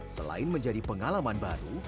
selain menjadi pengalaman baru